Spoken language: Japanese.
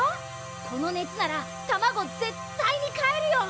このねつならたまごぜったいにかえるよ！